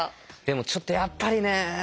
でもちょっとやっぱりね。